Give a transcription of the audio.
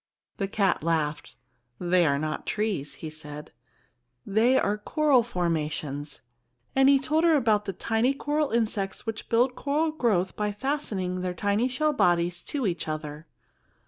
The cat laughed. "They are not trees," he said; "they are coral formations;" and he told her about the tiny coral insects which build coral growth by fastening their tiny shell bodies to each other.